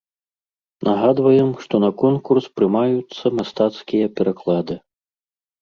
Нагадваем, што на конкурс прымаюцца мастацкія пераклады.